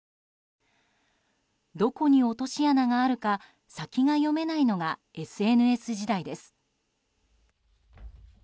どこに落とし穴があるか先が読めないのがＳＮＳ時代です。